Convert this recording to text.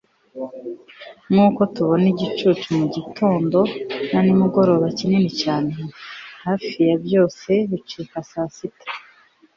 nkuko tubona igicucu, mugitondo na nimugoroba kinini cyane, hafi ya byose bicika saa sita